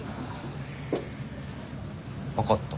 分かった。